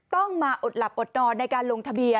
ต้องมาอดหลับอดนอนในการลงทะเบียน